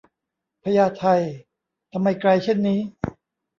พญาไท ทำไมไกลเช่นนี้